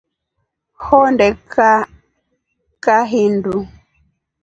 Honde kaa kahindu.